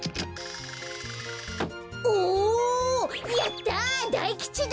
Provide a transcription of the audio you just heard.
やった大吉だ！